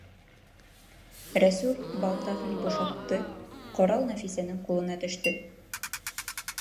Рәсүл балтаһын бушатты, ҡорал Нәфисәнең ҡулына төштө.